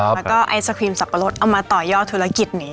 แล้วก็ไอศครีมสับปะรดเอามาต่อยอดธุรกิจนี้